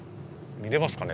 見れますかね？